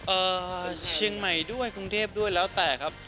เอ่อเชียงใหม่ด้วยกรุงเทพด้วยแล้วแต่ครับ